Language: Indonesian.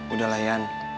udah lah ian